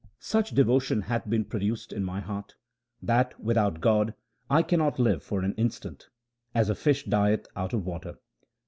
Such devotion hath been produced in my heart That without God I cannot live for an instant ; as a fish dieth out of water.